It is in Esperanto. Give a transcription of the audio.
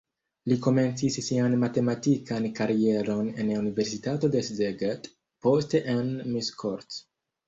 Li komencis sian matematikan karieron en universitato de Szeged, poste en Miskolc.